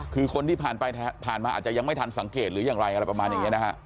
คือคนที่ผ่านไปผ่านมาอาจจะยังไม่ทันสังเกตหรืออย่างไรอะไรประมาณอย่างนี้นะฮะ